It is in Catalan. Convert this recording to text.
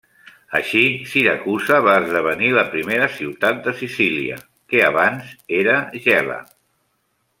Així Siracusa va esdevenir la primera ciutat de Sicília, que abans era Gela.